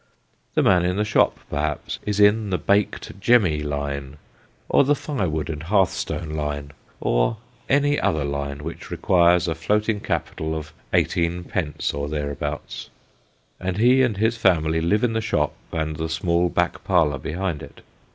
The man in the shop, perhaps, is in the baked " jemmy " line, or the firewood and hearthstone line, or any other line which requires a floating capital of eighteenpence or thereabouts: and he and his family live in the shop, and the small back parlour behind it.